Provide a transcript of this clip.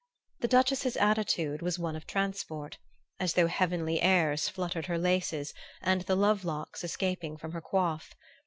The Duchess's attitude was one of transport, as though heavenly airs fluttered her laces and the love locks escaping from her coif.